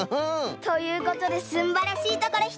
ということですんばらしいところひとつめは。